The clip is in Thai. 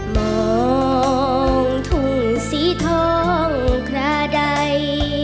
มองถุงสีทองขระใด